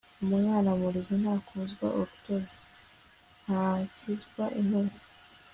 umwana murizi ntakurwa urutozi (ntakizwa intozi)